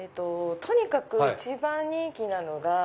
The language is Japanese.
とにかく一番人気なのが。